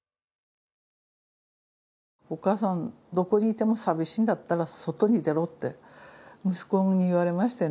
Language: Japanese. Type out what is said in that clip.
「お母さんどこにいても寂しいんだったら外に出ろ」って息子に言われましてね。